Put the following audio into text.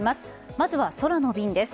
まずは空の便です。